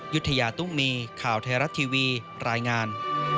ยุธยาตุ้มมีข่าวไทยรัฐทีวีรายงาน